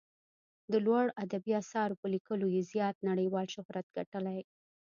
د لوړو ادبي اثارو په لیکلو یې زیات نړیوال شهرت ګټلی.